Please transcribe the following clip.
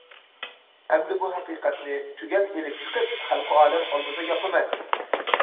ئەمدى بۇ ھەقىقەتنى تۈگەل ئېلىپ چىقىپ خەلقى ئالەم ئالدىدا ياپىمەن.